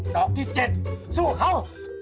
อกที่๗สู้เขา